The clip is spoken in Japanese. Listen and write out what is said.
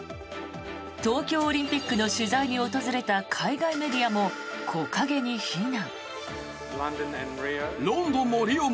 東京オリンピックの取材に訪れた海外メディアも木陰に避難。